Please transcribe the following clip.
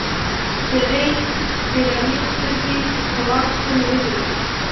سړي حیرانې سترګې تواب ته نیولې.